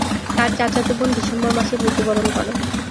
তার চাচাতো বোন ডিসেম্বর মাসে মৃত্যুবরণ করে।